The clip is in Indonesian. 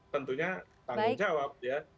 tentunya tanggung jawab ya